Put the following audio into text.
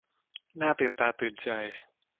น่าตื่นตาตื่นใจ